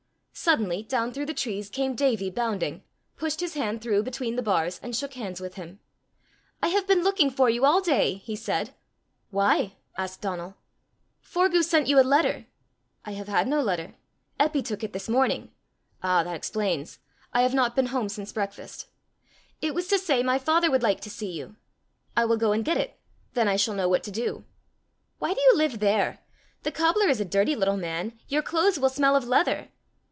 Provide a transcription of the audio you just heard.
Suddenly, down through the trees came Davie bounding, pushed his hand through between the bars, and shook hands with him. "I have been looking for you all day," he said. "Why?" asked Donal. "Forgue sent you a letter." "I have had no letter." "Eppy took it this morning." "Ah, that explains! I have not been home since breakfast." "It was to say my father would like to see you." "I will go and get it: then I shall know what to do." "Why do you live there? The cobbler is a dirty little man! Your clothes will smell of leather!"